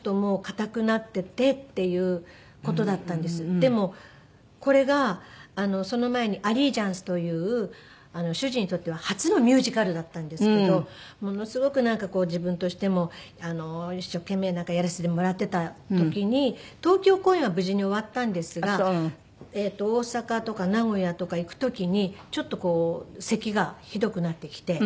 でもこれがその前に『アリージャンス』という主人にとっては初のミュージカルだったんですけどものすごくなんかこう自分としても一生懸命なんかやらせてもらってた時に東京公演は無事に終わったんですが大阪とか名古屋とか行く時にちょっとこうせきがひどくなってきて。